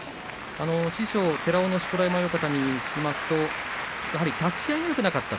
師匠、寺尾の錣山親方に聞きますと立ち合いがよくなかった。